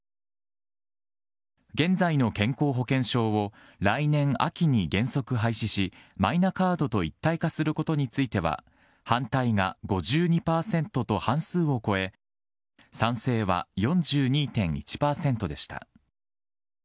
現在の健康保険証を来年秋に原則廃止し、マイナカードと一体化することについては、反対が５２％と半数を超え、賛成は４２．１％でした。